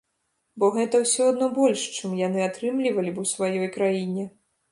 Бо гэта ўсё адно больш, чым яны атрымлівалі б у сваёй краіне.